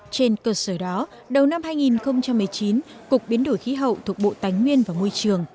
trên cơ sở đó đầu năm hai nghìn một mươi chín cục biến đổi khí hậu thuộc bộ tài nguyên và môi trường